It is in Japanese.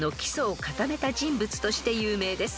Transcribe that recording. ［として有名です］